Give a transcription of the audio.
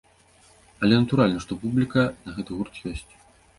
Але натуральна, што публіка на гэты гурт ёсць.